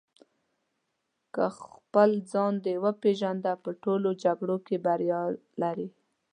که خپل ځان دې وپېژنده په ټولو جګړو کې بریا لرې.